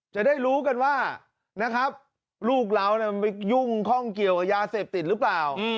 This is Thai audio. จะได้รู้กันว่านะครับลูกเราน่ะยุ่งกับยาเสพติดหรือเปล่า